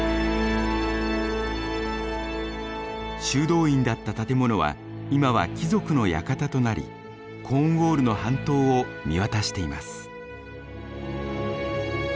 修道院だった建物は今は貴族の館となりコーンウォールの半島を見渡しています。